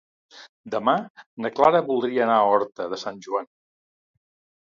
Demà na Clara voldria anar a Horta de Sant Joan.